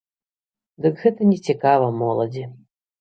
Дык гэта нецікава моладзі.